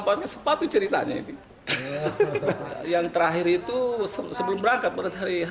adiknya saya kurang lebih sekitar lima harian